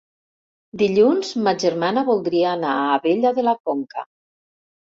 Dilluns ma germana voldria anar a Abella de la Conca.